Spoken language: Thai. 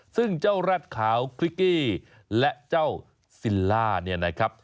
ซึ่งเจ้าแร็ดขาวคริกกี้และเจ้าซิลล่าเนี่ยนะครับ